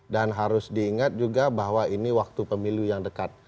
dan harus diingat juga bahwa ini waktu pemilu yang dekat